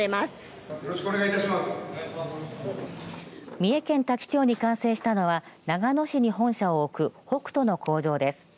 三重県多気町に完成したのは長野市に本社を置くホクトの工場です。